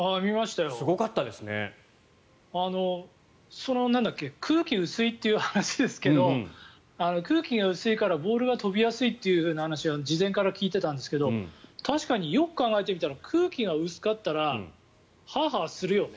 その空気が薄いという話ですけど空気が薄いからボールが飛びやすいという話は事前から聞いていたんですが確かによく考えてみたら空気が薄かったらハアハアするよね。